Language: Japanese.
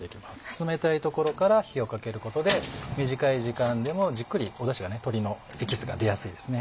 冷たいところから火をかけることで短い時間でもじっくりダシが鶏のエキスが出やすいですね。